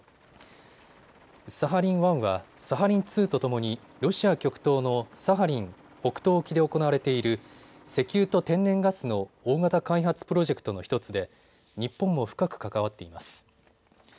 サハリン１はサハリン２とともにロシア極東のサハリン北東沖で行われている石油と天然ガスの大型開発プロジェクトの１つで日本も深く関わっています。